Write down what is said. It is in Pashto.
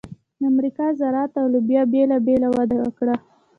د امریکا ذرت او لوبیا بېله بېله وده وکړه.